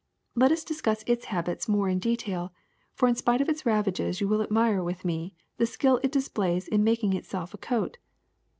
Let us discuss its habits more in detail, for in spite of its ravages you will admire, with me, the skill it displays in making itself a coat.